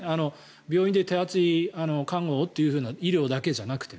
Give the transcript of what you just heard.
病院で手厚い看護をという医療だけじゃなくて。